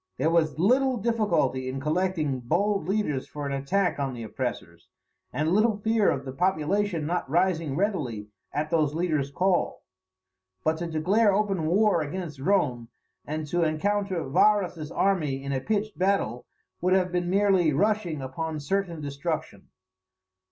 There was little difficulty in collecting bold leaders for an attack on the oppressors, and little fear of the population not rising readily at those leaders' call. But to declare open war against Rome, and to encounter Varus's army in a pitched battle, would have been merely rushing upon certain destruction.